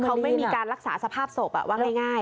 เขาไม่มีการรักษาสภาพศพว่าง่าย